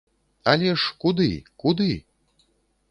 Але ж куды, куды?